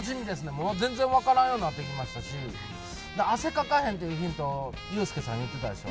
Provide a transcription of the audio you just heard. もう全然分からんようになってきましたし、汗かかへんっていうヒント、ユースケさん、言ってたでしょ。